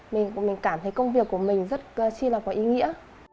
mình cảm thấy công việc của mình rất chi là có ý nghĩa